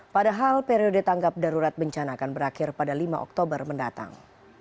padahal periode tanggap darurat bencana akan berakhir pada lima oktober mendatang